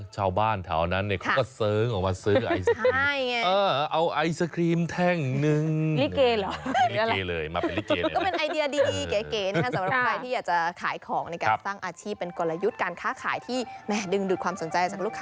ชาวบ้านเท่านั้นเนี้ยเขาก็เซิงออกมาซื้อไอศกรีมใช่เอาไอศกรีมแท่งนึง